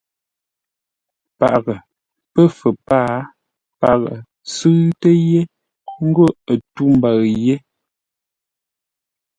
Paghʼə, Pəfə̂r pâa; paghʼə sʉ́ʉtə yé ńgó tû mbəʉ yé.